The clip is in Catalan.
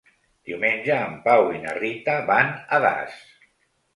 Diumenge en Pau i na Rita van a Das.